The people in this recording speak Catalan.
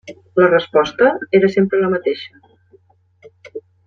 La resposta era sempre la mateixa.